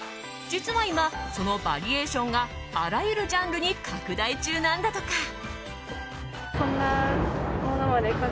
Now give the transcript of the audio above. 実は今、そのバリエーションがあらゆるジャンルに拡大中なんだとか。